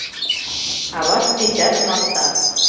Авашт дечат мастар!